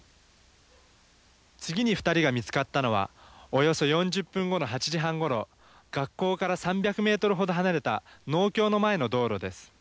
次に２人が見つかったのはおよそ４０分後の８時半ごろ学校から３００メートルほど離れた農協の前の道路です。